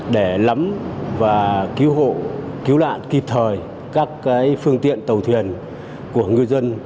để lắm và cứu hộ cứu nạn kịp thời các phương tiện tàu thuyền của ngư dân